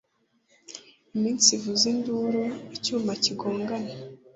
imitsi ivuza induru, icyuma kigongana;